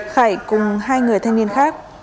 khải cùng hai người thanh niên khác